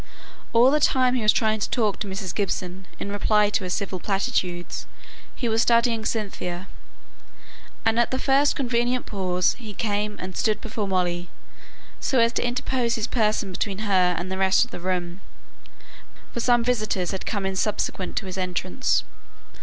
All the time he was trying to talk to Mrs. Gibson in reply to her civil platitudes, he was studying Cynthia; and at the first convenient pause he came and stood before Molly, so as to interpose his person between her and the rest of the room; for some visitors had come in subsequent to his entrance.